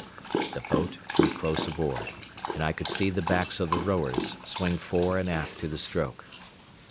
The boat drew close aboard, and I could see the backs of the rowers swing fore and aft to the stroke.